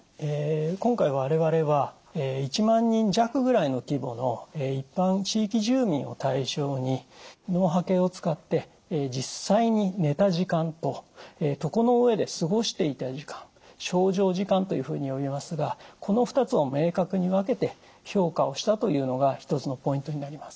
今回我々は１万人弱ぐらいの規模の一般地域住民を対象に脳波計を使って実際に寝た時間と床の上で過ごしていた時間床上時間というふうに呼びますがこの２つを明確に分けて評価をしたというのが一つのポイントになります。